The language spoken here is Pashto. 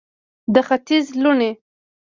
د ختیځ لوڼې